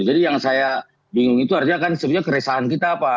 jadi yang saya bingung itu harganya kan sebenarnya keresahan kita pak